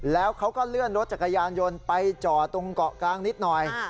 แล้วเขาก็เลื่อนรถจักรยานยนต์ไปจอดตรงเกาะกลางนิดหน่อย